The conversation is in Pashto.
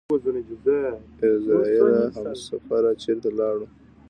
اعزرائيله همسفره چېرته لاړو؟!